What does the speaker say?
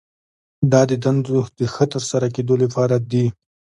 دا د دندو د ښه ترسره کیدو لپاره دي.